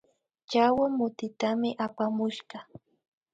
Chawa mutitami apamushka